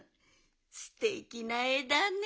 すてきなえだね。